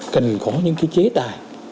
cần có những cái chế tài